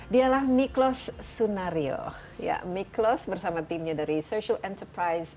dialah miklos sunario miclos bersama timnya dari social enterprise